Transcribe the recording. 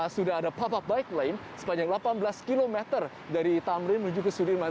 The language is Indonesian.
sudah ada pub up bike lane sepanjang delapan belas km dari tamrin menuju ke sudirman